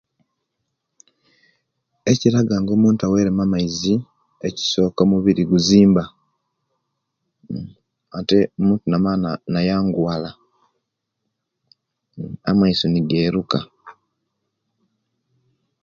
Ekiraga nga omuntu aweremu amaizi ekisoka omubiri guzimba ate omuntu namala nayanguwala amaiso nigeruka